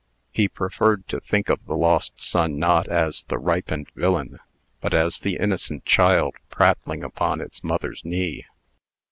He preferred to think of the lost son not as the ripened villain, but as the innocent child prattling upon its mother's knee.